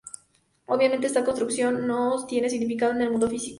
Obviamente esta construcción no tiene significado en el mundo físico.